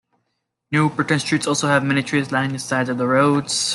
New Britain's streets also have many trees lining the sides of the roads.